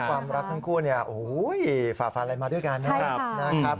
ความรักทั้งคู่เนี่ยโอ้โหฝ่าฟันอะไรมาด้วยกันนะครับ